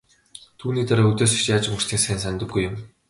Түүний дараа үдээс хойш яаж өнгөрснийг сайн санадаггүй юм.